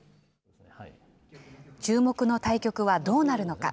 注目の対局はどうなるのか。